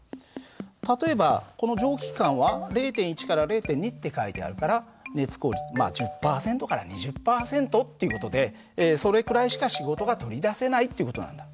例えばこの蒸気機関は０．１０．２って書いてあるから熱効率１０％から２０％っていう事でそれくらいしか仕事が取り出せないっていう事なんだ。